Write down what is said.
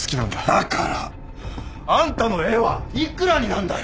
だからあんたの絵は幾らになんだよ！